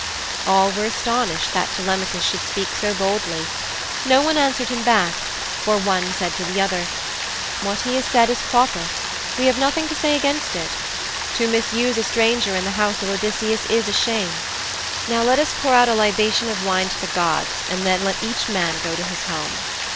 All were astonished that Telemachus should speak so boldly. No one answered him back, for one said to the other, 'What he has said is proper. We have nothing to say against it. To misuse a stranger in the house of Odysseus is a shame. Now let us pour out a libation of wine to the gods, and then let each man go to his home.'